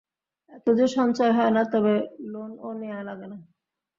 এতো যে সঞ্চয় হয় না, তবে লোনও নেয়া লাগে না।